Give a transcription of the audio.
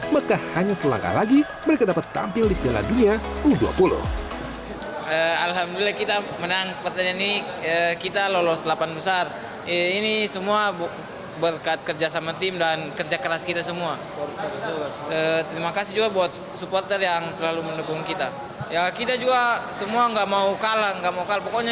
maka hanya selangkah lagi mereka dapat tampil di piala dunia u dua puluh